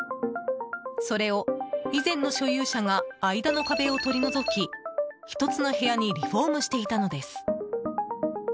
それを以前の所有者が間の壁を取り除き１つの部屋にリフォームしていたのです。